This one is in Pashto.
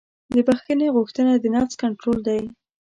د بښنې غوښتنه د نفس کنټرول دی.